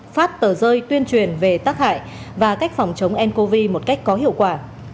phát tờ rơi tuyên truyền về tác hại và cách phòng chống ncov một cách có hiệu quả